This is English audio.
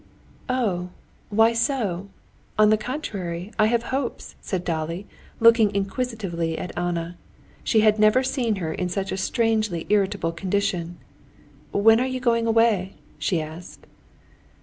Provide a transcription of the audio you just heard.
"Oh, why so? On the contrary, I have hopes," said Dolly, looking inquisitively at Anna. She had never seen her in such a strangely irritable condition. "When are you going away?" she asked.